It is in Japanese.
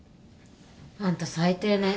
あんた最低ね